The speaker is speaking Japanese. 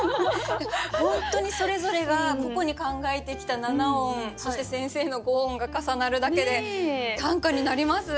本当にそれぞれが個々に考えてきた七音そして先生の五音が重なるだけで短歌になります。